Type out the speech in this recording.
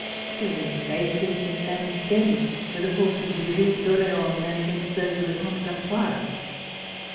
There were races at Vincennes, where the horses of the Due d'Orleans ran against those of the Comte d'Artois.